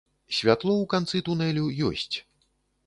Святло ў канцы тунелю ёсць.